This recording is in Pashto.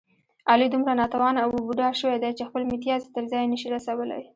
علي دومره ناتوانه و بوډا شوی دی، چې خپل متیازې تر ځایه نشي رسولی.